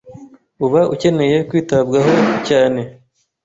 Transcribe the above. uba ukeneye kwitabwaho.cyane